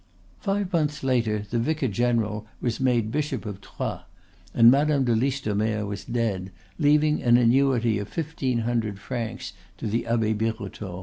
Five months later the vicar general was made Bishop of Troyes; and Madame de Listomere was dead, leaving an annuity of fifteen hundred francs to the Abbe Birotteau.